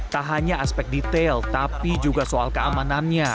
tak hanya aspek detail tapi juga soal keamanannya